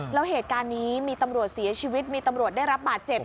แล้วเหตุการณ์นี้มีตำรวจเสียชีวิตมีตำรวจได้รับบาดเจ็บ